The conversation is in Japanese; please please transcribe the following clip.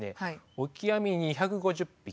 オキアミ２５０匹